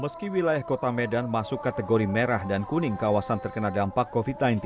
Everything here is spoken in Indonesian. meski wilayah kota medan masuk kategori merah dan kuning kawasan terkena dampak covid sembilan belas